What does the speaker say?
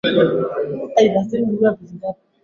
Kuangalia ni bure.